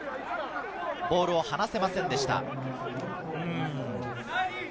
ボールを放せませんでした。